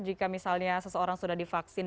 jika misalnya seseorang sudah divaksin